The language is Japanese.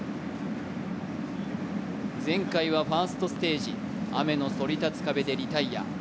前回はファーストステージ雨のそり立つ壁でリタイア。